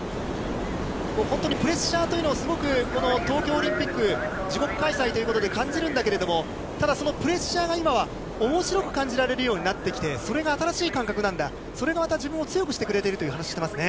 本当にプレッシャーというのをすごく東京オリンピック、自国開催ということで感じるんだけれども、ただ、そのプレッシャーが今はおもしろく感じられるようになってきて、それが新しい感覚なんだ、それがまた自分を強くしてくれているという話をしてますね。